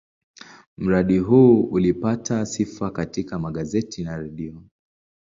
Mradi huu ulipata sifa katika magazeti na redio.